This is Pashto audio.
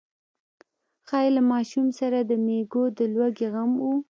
ښايي له ماشوم سره د مېږو د لوږې غم و.